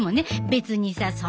別にさ